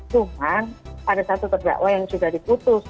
cuma ada satu terdakwa yang sudah diputus